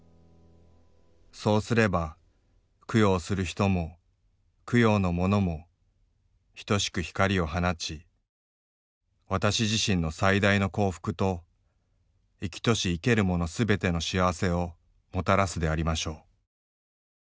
そうすれば供養する人も供養の物も等しく光を放ち私自身の最大の幸福と生きとし生けるものすべての幸せをもたらすでありましょう。